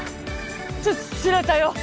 ちょっと釣れたよ。